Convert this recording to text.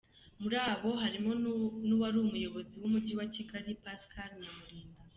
Muri abo harimo n’uwari umuyobozi w’Umujyi wa Kigali, Pascal Nyamurida.